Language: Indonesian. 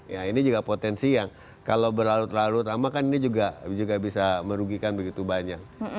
ya ini juga potensi yang kalau berlarut larut lama kan ini juga bisa merugikan begitu banyak